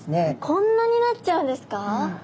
こんなになっちゃうんですか。